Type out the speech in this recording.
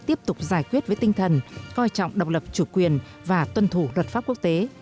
tiếp tục giải quyết với tinh thần coi trọng độc lập chủ quyền và tuân thủ luật pháp quốc tế